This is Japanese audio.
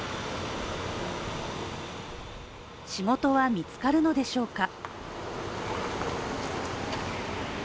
仕事は見つかるのでしょうか？